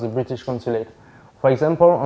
ที่เกิดขึ้นในประเทศอเมริกา